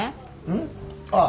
ん？ああ。